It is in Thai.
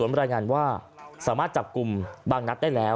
บรรยายงานว่าสามารถจับกลุ่มบางนัดได้แล้ว